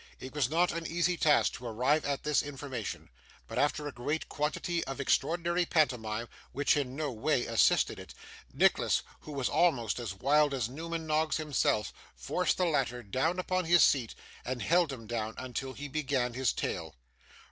It was not an easy task to arrive at this information; but, after a great quantity of extraordinary pantomime, which in no way assisted it, Nicholas, who was almost as wild as Newman Noggs himself, forced the latter down upon his seat and held him down until he began his tale.